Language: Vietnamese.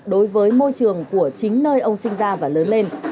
đối với môi trường của chính nơi ông sinh ra và lớn lên